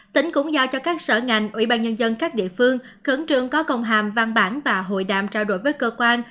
tỉnh cũng giao cho các sở ngành ủy ban nhân dân các địa phương khẩn trương có công hàm văn bản và hội đàm trao đổi với cơ quan